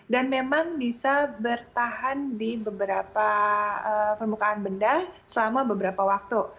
dan memang bisa bertahan di beberapa permukaan benda selama beberapa waktu